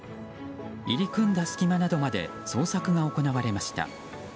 入り組んだ隙間などまで捜索が行われました。